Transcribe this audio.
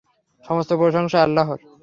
সমস্ত প্রশংসাই আল্লাহর।